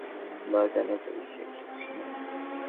বাজানোটা বুঝি একটা কিছু নয়।